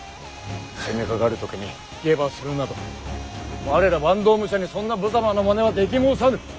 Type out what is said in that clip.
攻めかかる時に下馬するなど我ら坂東武者にそんなぶざまなまねはでき申さぬ。